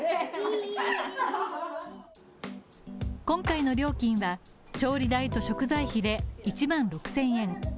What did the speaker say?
今回の料金は調理代と食材費で１万６０００円。